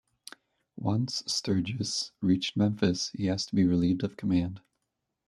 Once Sturgis reached Memphis, he asked to be relieved of command.